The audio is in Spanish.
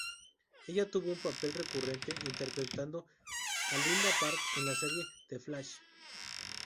Ella tuvo un papel recurrente interpretando a Linda Park en la serie "The Flash".